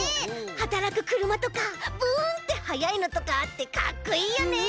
はたらくくるまとかブン！ってはやいのとかあってかっこいいよね。